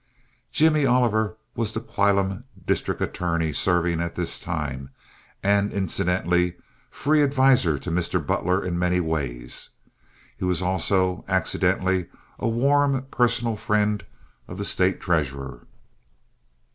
Jimmy Oliver was the whilom district attorney serving at this time, and incidentally free adviser to Mr. Butler in many ways. He was also, accidentally, a warm personal friend of the State treasurer.